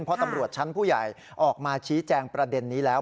เพราะตำรวจชั้นผู้ใหญ่ออกมาชี้แจงประเด็นนี้แล้ว